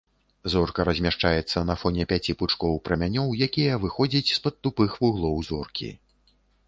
Зорка размяшчаецца на фоне пяці пучкоў прамянёў, якія выходзяць з-пад тупых вуглоў зоркі.